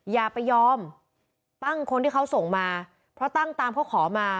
อย่าไปยอมตั้งคนที่เขาส่งมาเพราะตั้งตามเขาขอมา